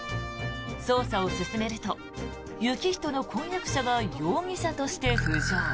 捜査を進めると、行人の婚約者が容疑者として浮上。